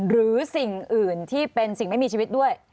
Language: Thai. หรือสิ่งอื่นที่เป็นสิ่งไม่มีชีวิตด้วย